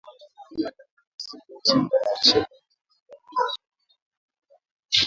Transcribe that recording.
Usiviache viazi lishe ardhini kwa muda mrefu bila kuvunwa